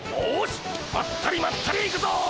まったりまったり行くぞ！